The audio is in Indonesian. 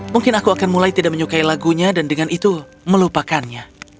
mungkin aku akan mulai tidak menyukai lagunya dan dengan itu melupakannya